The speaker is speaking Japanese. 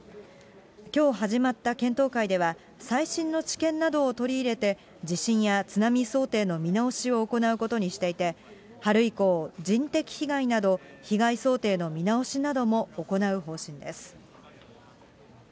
きょう始まった検討会では、最新の知見などを取り入れて、地震や津波想定の見直しを行うことにしていて、春以降、人的被害など、被害想定の見直しなども行う方針です。